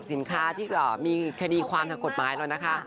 ซึ่งจริงไม่ได้เกี่ยวกับตัวเลขหรอก